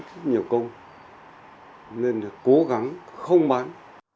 rất nhiều công nên cố gắng không bán